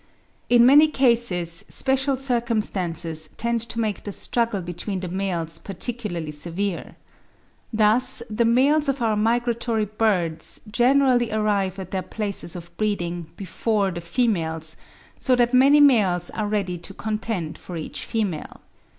In many cases special circumstances tend to make the struggle between the males particularly severe. Thus the males of our migratory birds generally arrive at their places of breeding before the females, so that many males are ready to contend for each female.